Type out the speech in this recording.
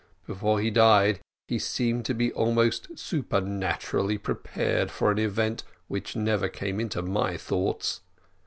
Before he died he seemed to be almost supernaturally prepared for an event which never came into my thoughts.